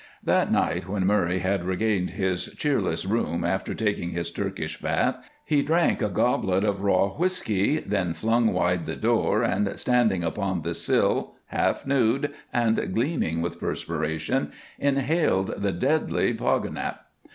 That night when Murray had regained his cheerless room after taking his Turkish bath he drank a goblet of raw whisky, then flung wide the door, and, standing upon the sill, half nude and gleaming with perspiration, inhaled the deadly Poganip.